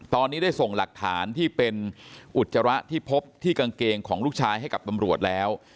ตอนนี้ได้ส่งหลักฐานที่เป็นอุจจาระที่พบที่กางเกงของลูกชายให้กับตำรวจแล้ว